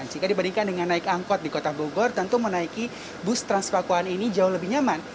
jika dibandingkan dengan naik angkot di kota bogor tentu menaiki bus transpakuan ini jauh lebih nyaman